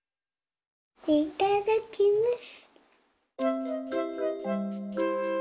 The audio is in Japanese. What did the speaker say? いただきます。